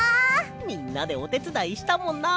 みんなでおてつだいしたもんな。